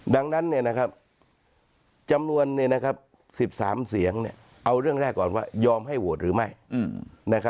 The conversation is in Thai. ดังนั้นจำนวน๑๓เสียงเอาเรื่องแรกก่อนว่ายอมให้โหวตหรือไม่